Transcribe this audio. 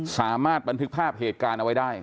สามารถบันทึกภาพเหตุการณ์เอาไว้ได้